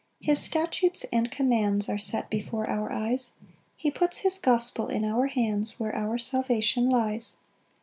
5 His statutes and commands Are set before our eyes; He puts his gospel in our hands, Where our salvation lies.